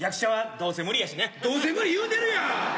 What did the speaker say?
「どうせ無理」言うてるやん。